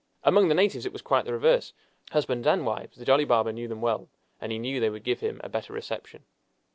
Among the natives it was quite the reverse. Husbands and wives, the jolly barber knew them well, and he knew they would give him a better reception.